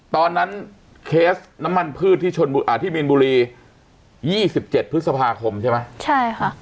เคสน้ำมันพืชที่มีนบุรี๒๗พฤษภาคมใช่ไหมใช่ค่ะ